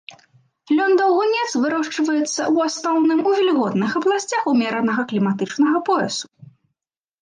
Лён-даўгунец вырошчваецца ў асноўным у вільготных абласцях умеранага кліматычнага поясу.